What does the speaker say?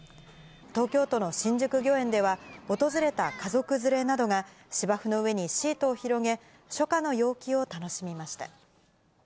東京都の新宿御苑では、訪れた家族連れなどが、芝生の上にシートを広げ、初夏の陽気を楽しみました。